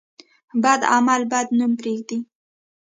بد عمل بد نوم پرېږدي.